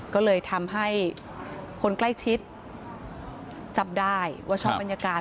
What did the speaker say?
ก็เลยทำให้คนใกล้ชิดจับได้ว่าชอบบรรยากาศ